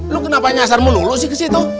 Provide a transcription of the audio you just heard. lu kenapa nyasar mulu lu sih kesitu